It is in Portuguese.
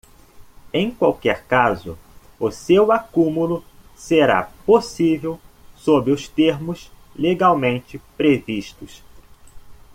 Em qualquer caso, o seu acúmulo será possível sob os termos legalmente previstos.